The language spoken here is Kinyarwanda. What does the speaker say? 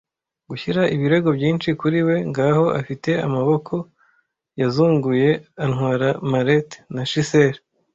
Gushyira ibirego byinshi kuri we ngaho afite amaboko- yazunguye atwara mallet na chisel,